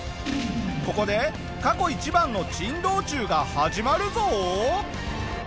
ここで過去一番の珍道中が始まるぞ！